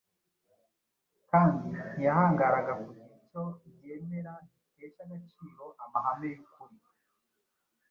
kandi ntiyahangaraga kugira icyo yemera gitesha agaciro amahame y’ukuri.